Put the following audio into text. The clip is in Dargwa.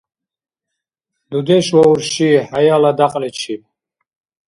Дудеш ва урши – хӏяяла дякьличиб